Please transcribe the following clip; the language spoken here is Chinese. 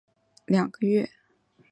海氏最终被判处有期徒刑两个月。